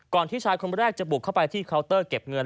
ที่ชายคนแรกจะบุกเข้าไปที่เคาน์เตอร์เก็บเงิน